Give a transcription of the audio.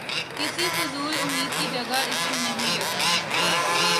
کسی فضول امید کی جگہ اس میں نہیں رہی۔